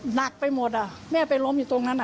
หนักไปหมดแม่ไปล้มอยู่ตรงนั้น